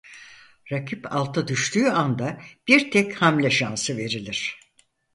Rakip alta düştüğü anda bir tek hamle şansı verilir.